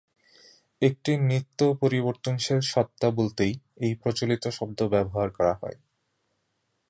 একটি নিত্য পরিবর্তনশীল সত্তা বলতেই এই প্রচলিত শব্দ ব্যবহার করা হয়।